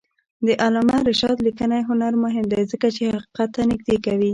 د علامه رشاد لیکنی هنر مهم دی ځکه چې حقیقت ته نږدې کوي.